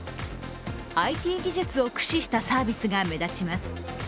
ＩＴ技術を駆使したサービスが目立ちます。